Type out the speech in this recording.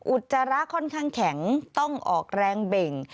อุจจาระค่อนข้างแข็งต้องออกแรงเบ่ง